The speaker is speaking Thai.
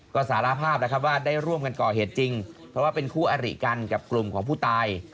ก็สารภาพแล้วครับว่าได้ร่วมกันก่อเหตุจริงเพราะว่าเป็นคู่อริกันกับกลุ่มของผู้ตาย